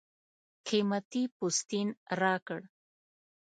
قېمتي پوستین راکړ.